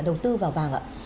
đầu tư vào vàng ạ